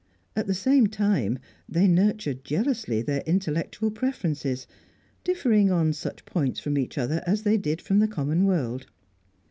At the same time, they nurtured jealously their intellectual preferences, differing on such points from each other as they did from the common world.